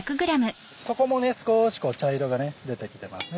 底も少し茶色が出てきてますね。